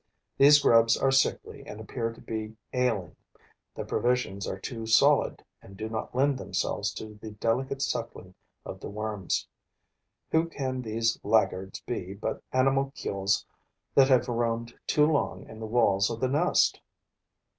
These grubs are sickly and appear to be ailing; the provisions are too solid and do not lend themselves to the delicate suckling of the worms. Who can these laggards be but animalcules that have roamed too long in the walls of the nest?